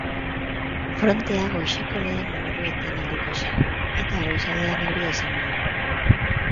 Frontea goizeko lehen orduetan helduko zaigu, eta goizaldean euria izango dugu.